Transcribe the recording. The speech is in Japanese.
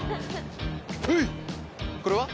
はいこれは？